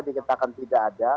diketakan tidak ada